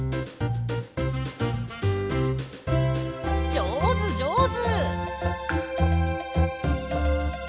じょうずじょうず！